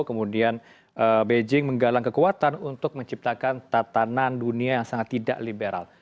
kemudian beijing menggalang kekuatan untuk menciptakan tatanan dunia yang sangat tidak liberal